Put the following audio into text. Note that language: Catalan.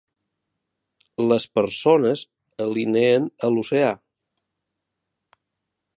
Les persones alineen a l'oceà.